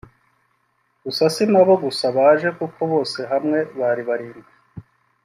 gusa sinabo gusa baje kuko bose hamwe bari barindwi